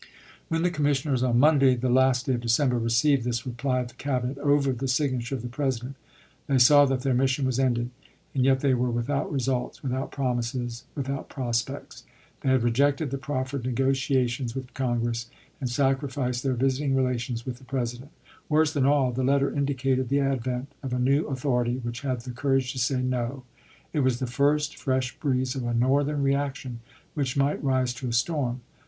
When the commissioners, on Monday, the last day of December, received this reply of the Cabinet i860. over the signature of the President, they saw that their mission was ended, and yet they were with out results, without promises, without prospects. They had rejected the proffered negotiations with Congress, and sacrificed their visiting relations with the President. Worse than all, the letter indicated the advent of a new authority which had the cour age to say "No." It was the first fresh breeze of a Northern reaction which might rise to a storm.